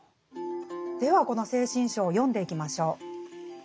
この「精神章」を読んでいきましょう。